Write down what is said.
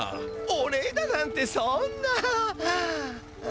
お礼だなんてそんな。